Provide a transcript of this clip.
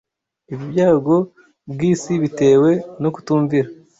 Ibi byago bw’isi bitewe no kutumvira.